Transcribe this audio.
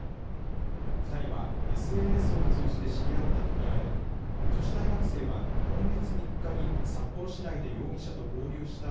２人はＳＮＳを通じて知り合ったと見られ女子大学生は今月３日に札幌市内で容疑者と合流した